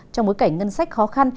trong bối cảnh ngân sách khó khăn